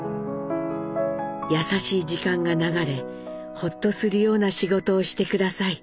「やさしい時間が流れほっとする様な仕事をして下さい。